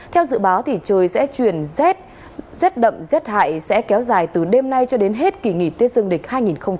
theo dự báo thì trời sẽ chuyển rét rét đậm rét hại sẽ kéo dài từ đêm nay cho đến hết kỷ nghỉ tuyết dương địch hai nghìn một mươi chín